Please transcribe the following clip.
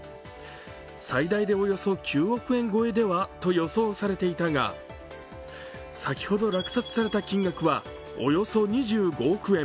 最大でおよそ９億円超えではと予想されていたが、先ほど落札された金額は、およそ２５億円。